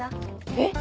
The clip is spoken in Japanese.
えっ！